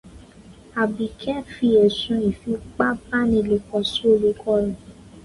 Àbíkẹ́ fi ẹ̀sùn ìfipábánilòpọ̀ sun olùkó rẹ̀.